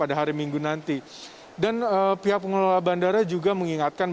dan pihak pengelola bandara juga mengingatkan